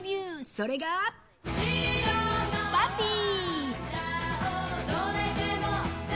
それが、パフィー。